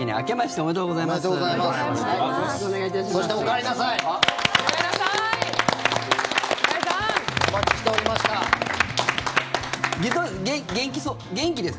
おめでとうございます。